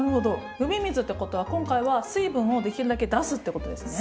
呼び水ってことは今回は水分をできるだけ出すってことですね。